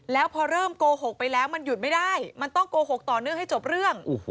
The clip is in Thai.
แล้วพอเริ่มโกหกไปแล้วมันหยุดไม่ได้มันต้องโกหกต่อเนื่องให้จบเรื่อง